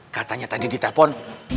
katanya tadi di telpon